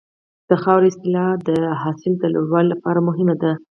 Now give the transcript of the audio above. د خاورې اصلاح د حاصل د لوړوالي لپاره مهمه ده.